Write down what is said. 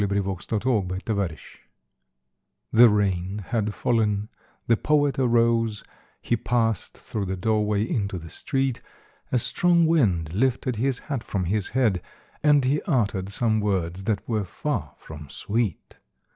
THE POET'S HAT The rain had fallen, the Poet arose, He passed through the doorway into the street, A strong wind lifted his hat from his head, And he uttered some words that were far from sweet.